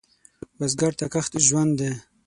بزګر ته کښت ژوند دی